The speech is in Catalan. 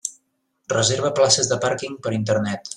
Reserva places de pàrquing per Internet.